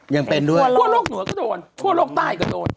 ยังเป็นด้วยทั่วโลกเหนือก็โดนทั่วโลกใต้ก็โดน